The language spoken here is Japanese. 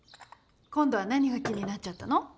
今度は何が気になっちゃったの？